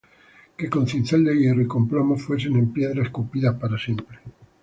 Que con cincel de hierro y con plomo Fuesen en piedra esculpidas para siempre!